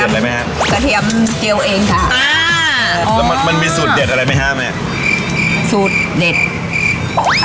แล้วก็เกาะเทียมอันนี้มีสูตรเด็ดมั้ยฮะ